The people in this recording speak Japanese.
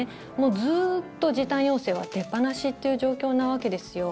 ずっと時短要請は出っぱなしという状況なわけですよ。